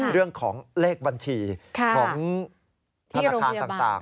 เรื่องของเลขบัญชีของธนาคารต่าง